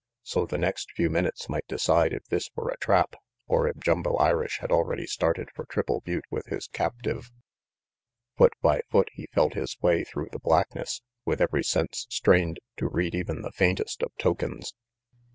So the next few minutes might decide if this were a trap, or if Jumbo Irish had already started for Triple Butte with his captive. Foot by foot he felt his way through the blackness, RANGY PETE 107 with every sense strained to read even the faintest of tokens.